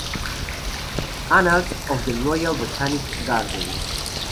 Annals of the Royal Botanic Gardens.